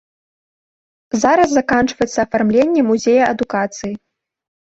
Зараз заканчваецца афармленне музея адукацыі.